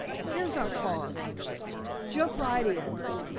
Here's our car. Jump right in.